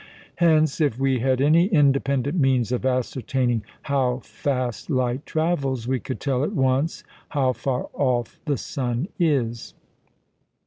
Hence, if we had any independent means of ascertaining how fast light travels, we could tell at once how far off the sun is.